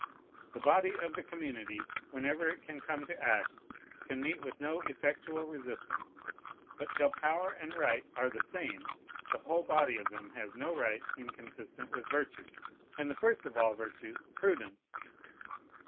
The body of the community, whenever it can come to act, can meet with no effectual resistance; but till power and right are the same, the whole body of them has no right inconsistent with virtue, and the first of all virtues, prudence.